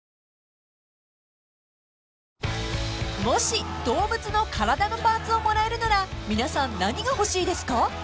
［もし動物の体のパーツをもらえるなら皆さん何が欲しいですか？］